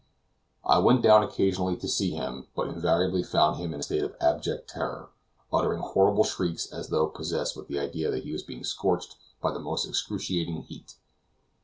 I went down occasionally to see him, but invariably found him in a state of abject terror, uttering horrible shrieks, as though possessed with the idea that he was being scorched by the most excruciating heat.